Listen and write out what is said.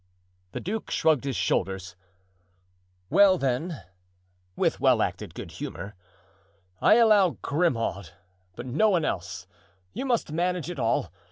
The duke shrugged his shoulders. "Well, then," with well acted good humor, "I allow Grimaud, but no one else; you must manage it all.